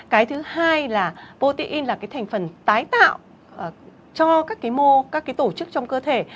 cái thứ hai là protein là cái thành phần tái tạo cho các cái mô các cái tổ chức trong cơ thể